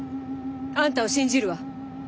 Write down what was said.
あんたを信じるわ。